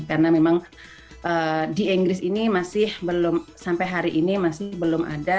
karena memang di inggris ini masih belum sampai hari ini masih belum ada